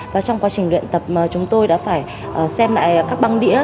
và trong quá trình luyện tập chúng tôi đã phải xem lại các băng đĩa